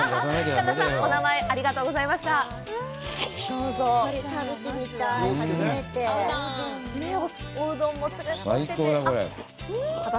神田さん、お名前ありがとうございました。